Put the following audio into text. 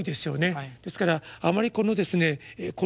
ですからあまりこのですね